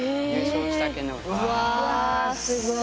うわすごい。